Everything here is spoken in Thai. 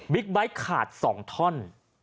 บิ๊กไบท์ขาดสองท่อน